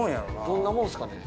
どんなもんですかね。